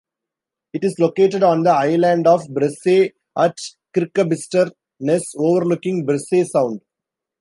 It is located on the island of Bressay at Kirkabister Ness overlooking Bressay Sound.